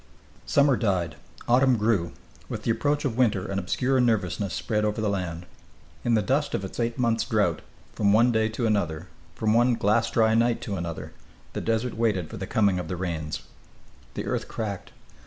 Summer died. Autumn grew. With the approach of winter an obscure nervousness spread over the land. In the dust of its eight months' drought, from one day to another, from one glass dry night to another, the desert waited for the coming of the rains. The earth cracked.